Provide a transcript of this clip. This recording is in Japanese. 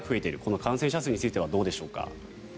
感染者数についてはどうでしょうか。